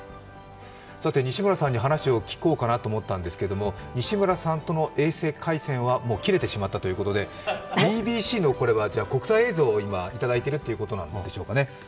西村さんに話を聞こうかなと思ったんですけど西村さんとの衛星回線はもう切れてしまったということでＢＢＣの国際映像をいただいているということなんですね。